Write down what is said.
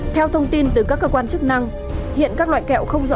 theo thông tin từ các cơ quan chức năng hiện các loại kẹo không rõ